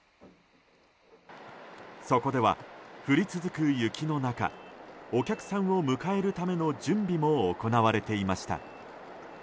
そこでは降り続く雪の中お客さんを迎えるための準備も行われていました。